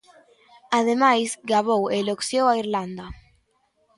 Ademais gabou e eloxiou a Irlanda.